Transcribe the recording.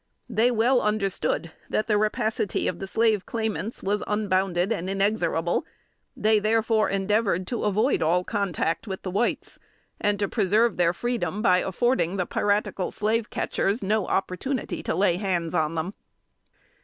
They well understood that the rapacity of the slave claimants was unbounded and inexorable; they therefore endeavored to avoid all contact with the whites, and to preserve their freedom by affording the piratical slave catchers no opportunity to lay hands on them.